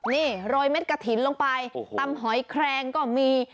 นี่โรยเม็ดกระถิ่นลงไปตำหอยแครงก็มี